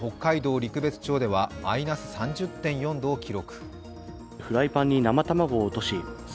陸別町ではマイナス３０．４度を記録。